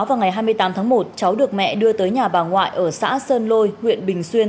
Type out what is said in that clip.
vào ngày hai mươi tám tháng một cháu được mẹ đưa tới nhà bà ngoại ở xã sơn lôi huyện bình xuyên